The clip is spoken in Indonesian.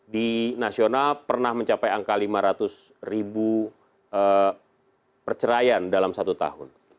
di nasional pernah mencapai angka lima ratus ribu perceraian dalam satu tahun